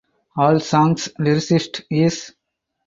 All songs lyricist is